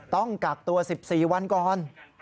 ต้องกักตัว๑๔วันก่อน